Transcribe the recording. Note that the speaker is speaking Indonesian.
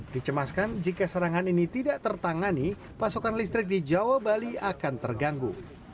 dicemaskan jika serangan ini tidak tertangani pasokan listrik di jawa bali akan terganggu